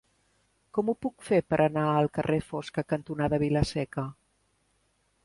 Com ho puc fer per anar al carrer Fosca cantonada Vila-seca?